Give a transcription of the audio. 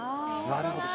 なるほど。